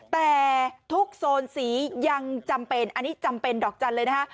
แต่ทุกโซนสียังจำเป็นอันนี้จำเป็นดอกจันทร์เลยนะคะ